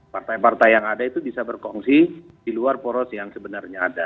partai partai yang ada itu bisa berkongsi di luar poros yang sebenarnya ada